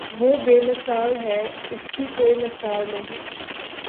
وہ بے مثال ہے اس کی کوئی مثال نہیں